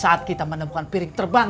suatu saat kita menemukan piring terbang